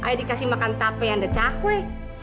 i dikasih makan tempe and cakwe